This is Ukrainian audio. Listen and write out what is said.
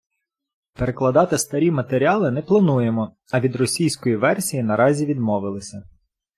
Перекладати старі матеріали не плануємо, а від російської версії наразі відмовилися.